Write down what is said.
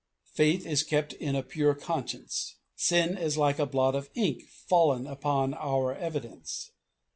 Faith is kept in a pure conscience. Sin is like a blot of ink fallen upon our evidence.